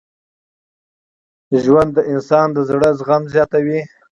ژوند د انسان د زړه زغم زیاتوي.